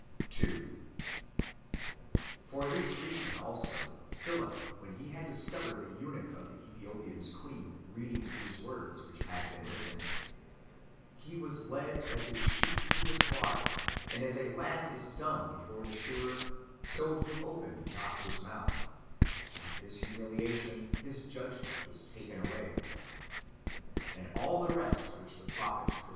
2. For this reason, also, Philip, when he had discovered the eunuch of the Ethiopians' queen reading these words which had been written :'' He was led as a sheep to the slaughter ; and as a lamb is dumb before the shearer, so H® opened not His mouth : in His humiliation His judgment was taken away ;"■* and all the rest which the prophet pro 1 Matt.